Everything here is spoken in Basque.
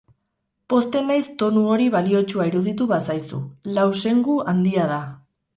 Pozten naiz tonu hori baliotsua iruditu bazaizu, lausengu handia da.